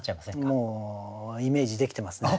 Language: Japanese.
もうイメージできてますね。